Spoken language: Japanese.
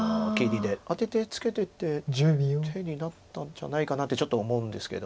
アテてツケてて手になったんじゃないかなってちょっと思うんですけど。